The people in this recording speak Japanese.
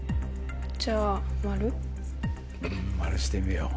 「○」してみよう。